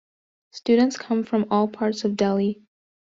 Students come from all parts of Delhi.